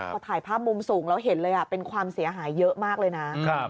พอถ่ายภาพมุมสูงแล้วเห็นเลยเป็นความเสียหายเยอะมากเลยนะ